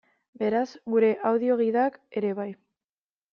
Beraz, gure audio-gidak ere bai.